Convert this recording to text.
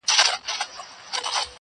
په خوی چنګېز یې په زړه سکندر یې-